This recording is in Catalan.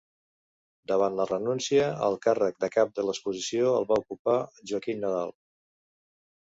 Davant la renúncia, el càrrec de cap de l'oposició el va ocupar Joaquim Nadal.